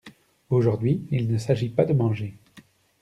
Aujourd'hui il ne s'agit pas de manger.